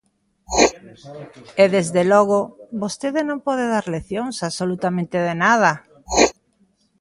E, desde logo, vostede non pode dar leccións absolutamente de nada.